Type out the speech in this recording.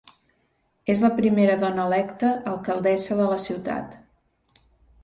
És la primera dona electa alcaldessa de la ciutat.